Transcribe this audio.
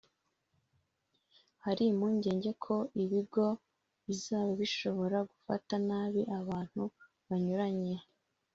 Hari impungenge ko ibigo bizaba bishobora gufata nabi abantu banyuranye